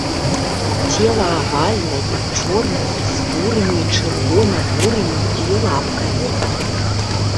Цела авальнае, чорнае, з бурымі і чырвона-бурымі і лапкамі.